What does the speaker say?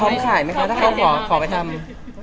ขายไหมคะถ้าเขาขอไปทำ